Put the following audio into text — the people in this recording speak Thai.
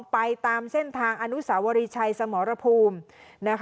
ไปตามเส้นทางอนุสาวรีชัยสมรภูมิ